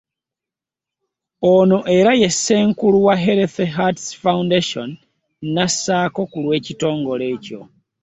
Ono era nga ye Ssenkulu wa Healthy Hearts Foundation n'assaako ku lw'ekitongole ekyo.